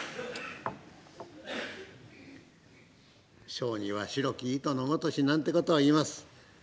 「小児は白き糸のごとし」なんてことを言います。